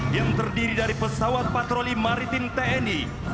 yang terdiri dari pesawat patroli maritim tni